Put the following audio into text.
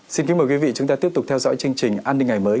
xin kính mời quý vị chúng ta tiếp tục theo dõi chương trình an ninh ngày mới